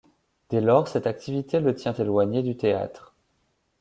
Dès lors cette activité le tient éloigné du Théâtre.